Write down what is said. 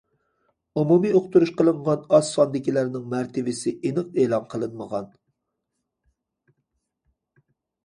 ئومۇمىي ئۇقتۇرۇش قىلىنغان ئاز ساندىكىلەرنىڭ مەرتىۋىسى ئېنىق ئېلان قىلىنمىغان.